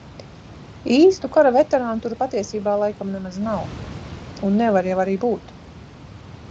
Īstu kara veterānu tur patiesībā laikam nemaz nav. Un nevar jau arī būt.